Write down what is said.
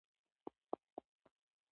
که زه هڅه ونه کړم، اضطراب به زیات شي.